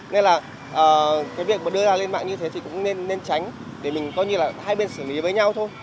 nên là cái việc mà đưa ra lên mạng như thế thì cũng nên tránh để mình coi như là hai bên xử lý với nhau thôi